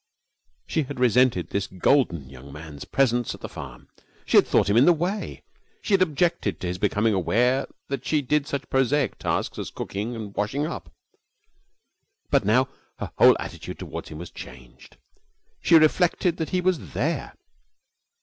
She had resented this golden young man's presence at the farm. She had thought him in the way. She had objected to his becoming aware that she did such prosaic tasks as cooking and washing up. But now her whole attitude toward him was changed. She reflected that he was there.